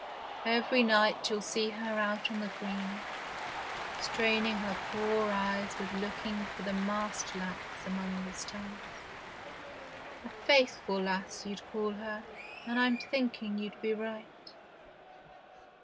Every night you'll see her out on the green, straining her poor eyes with looking for the mast lights among the stars. A faith ful lass you'd call her, and I'm thinking you'd be right.